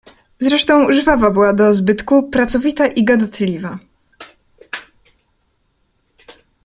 "Zresztą żwawa była do zbytku, pracowita i gadatliwa."